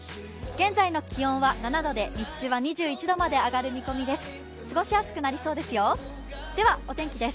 現在の気温は７度で、日中は２１度まで上がる見込みです。